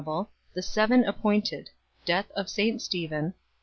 The Seven appointed. Death of St Stephen.